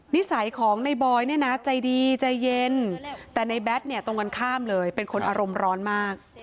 นิสัยของในบอยเนี่ยนะใจดีใจเย็นแต่ในแบทเนี่ยตรงกันข้ามเลยเป็นคนอารมณ์ร้อนมาก